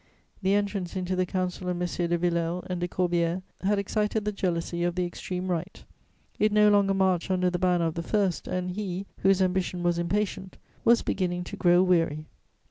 The entrance into the Council of Messieurs de Villèle and de Corbière had excited the jealousy of the Extreme Right; it no longer marched under the banner of the first, and he, whose ambition was impatient, was beginning to grow weary.